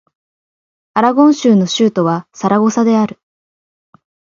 アラゴン州の州都はサラゴサである